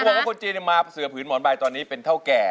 เพราะว่าคนจีนเนี่ยมาเสื้อผืนหมอนใบตอนนี้เป็นเท่าแก่